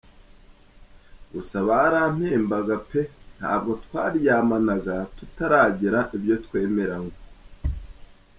gusa barampembaga pe, ntabwo twaryamanaga tutaragira ibyo twemeranywa’.